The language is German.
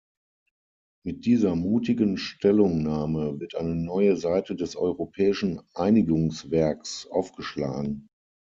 Mit dieser mutigen Stellungnahme wird eine neue Seite des europäischen Einigungswerks aufgeschlagen.